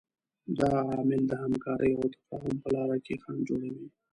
دا عامل د همکارۍ او تفاهم په لاره کې خنډ جوړوي.